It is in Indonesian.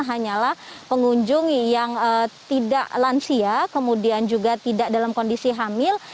hanyalah pengunjung yang tidak lansia kemudian juga tidak dalam kondisi hamil